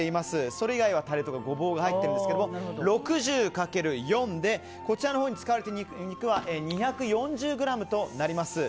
それ以外はタレやゴボウが入っているんですが６０ｇかける４でこちらのほうに使われている肉は２４０ｇとなります。